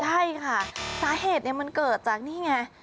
ใช่ค่ะสาเหตุมันเกิดจากนี่ไง